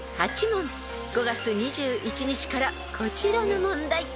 ［５月２１日からこちらの問題］